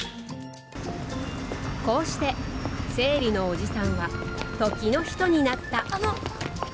こうして生理のおじさんは時の人になった。